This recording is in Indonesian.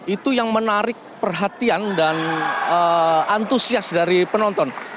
itu yang menarik perhatian dan antusias dari penonton